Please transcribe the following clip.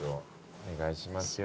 お願いしますよ。